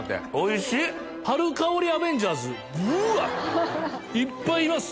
春香りアベンジャーズブワいっぱいいます。